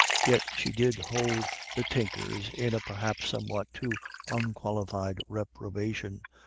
Yet she did hold the Tinkers in a perhaps somewhat too unqualified reprobation.